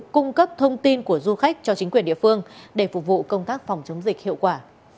cung cấp thông tin của du khách cho chính quyền địa phương để phục vụ công tác phòng chống dịch hiệu quả